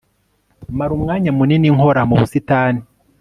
mara umwanya munini nkora mu busitani